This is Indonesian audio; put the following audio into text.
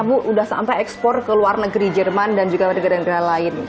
bu sudah sampai ekspor ke luar negeri jerman dan juga negara negara lain